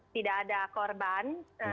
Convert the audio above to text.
tidak ada korban